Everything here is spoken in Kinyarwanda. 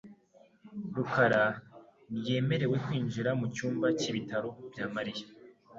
rukara ntiyemerewe kwinjira mu cyumba cy’ibitaro bya Mariya .